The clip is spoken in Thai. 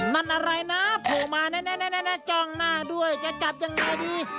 มันอะไรนะโผล่มาแน่จ้องหน้าด้วยจะจับยังไงดี